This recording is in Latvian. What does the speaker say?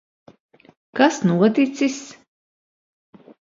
Kas noticis?